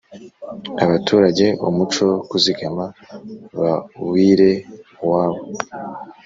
abaturage umuco wo kuzigama bawire uwabo